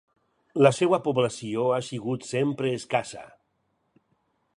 La seva població ha sigut sempre escassa.